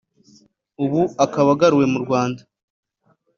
ubu akaba agaruwe mu Rwanda